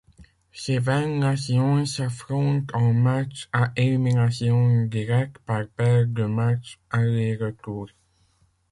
Ces vingt nations s'affrontent en matchs à élimination directe par paire de matchs aller-retour.